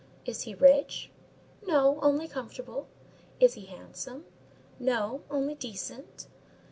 "Is he rich?" "No; only comfortable." "Is he handsome?" "No; only decent."